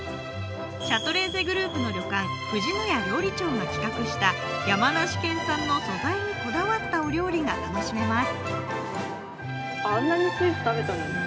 シャトレーゼグループの旅館富士野屋料理長が企画した山梨県産の素材にこだわったお料理が楽しめます。